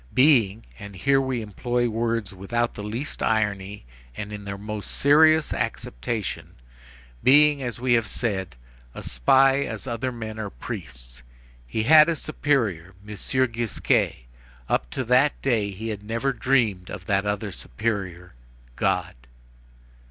Being,—and here we employ words without the least irony and in their most serious acceptation, being, as we have said, a spy as other men are priests. He had a superior, M. Gisquet; up to that day he had never dreamed of that other superior, God.